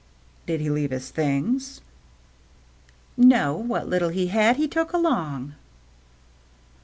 " Did he leave his things ?"" No. What little he had he took along."